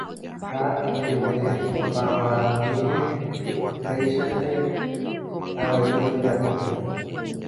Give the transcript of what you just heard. Ha ejerure opavavépe upeichaite avei tojapo.